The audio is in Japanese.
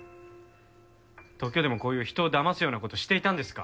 東京でもこういう人をだますような事をしていたんですか？